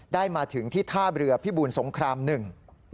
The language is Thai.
ได้มาถึงที่ท่าเรือพิบูลสงครามหนึ่ง